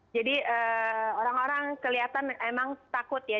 jadi orang orang kelihatan memang takut ya